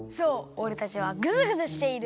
おれたちはグズグズしている。